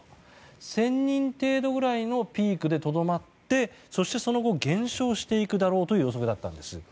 １０００人程度くらいのピークでとどまってその後、減少していくだろうという予測だったんです。